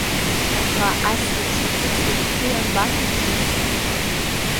Аха ас еиԥш ахәыцра шәхы ианбаҭашәеи?